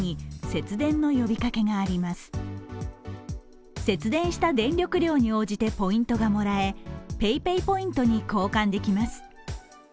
節電した電力量に応じてポイントがもらえ、ＰａｙＰａｙポイントに交換できます。